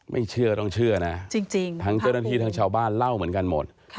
ไม่เชื่อต้องเชื่อนะจริงทั้งเจ้าหน้าที่ทั้งชาวบ้านเล่าเหมือนกันหมด